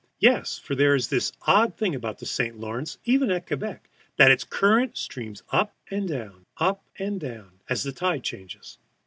Yes, for there is this odd thing about the St. Lawrence, even at Quebec, that its current streams up and down, up and down, as the tide changes.